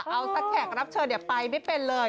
เอาสักแขกรับเชิญไปไม่เป็นเลย